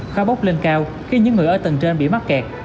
khó bốc lên cao khi những người ở tầng trên bị mắc kẹt